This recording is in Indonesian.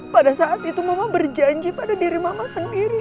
pada saat itu mama berjanji pada diri mama sendiri